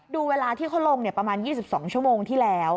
ดูเวลาที่เขาลงประมาณ๒๒ชั่วโมงที่แล้ว